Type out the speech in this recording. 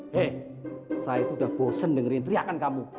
hei saya itu udah bosen dengerin teriakan kamu